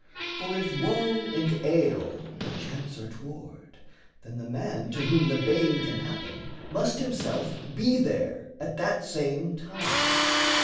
For if woe and ail Perchance are toward, then the man to whom The bane can happen must himself be there At that same time.